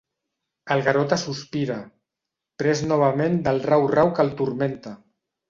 El Garota sospira, pres novament del rau-rau que el turmenta.